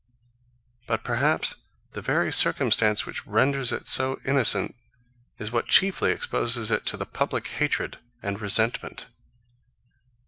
But, perhaps, the very circumstance which renders it so innocent is what chiefly exposes it to the public hatred and resentment.